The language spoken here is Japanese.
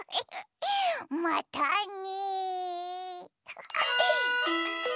またね。